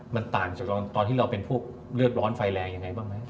มันต่างจากตอนที่เราเป็นพวกเลือดร้อนไฟแรงยังไงบ้างไหม